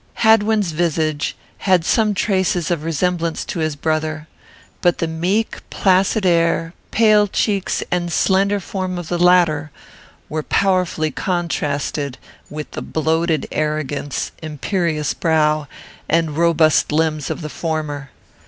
Hadwin's visage had some traces of resemblance to his brother; but the meek, placid air, pale cheeks, and slender form of the latter were powerfully contrasted with the bloated arrogance, imperious brow, and robust limbs of the former.